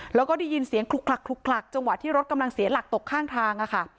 แล้วก็ได้ยินเสียงคลุกคลักจังหวะที่รถกำลังเสียหลักตกข้างทางค่ะ